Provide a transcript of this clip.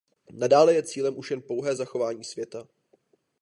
Nadále je cílem už jen pouhé zachování světa.